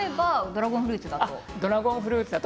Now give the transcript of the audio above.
ドラゴンフルーツは？